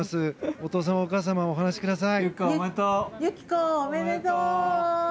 お父さん、お母さんお話しください。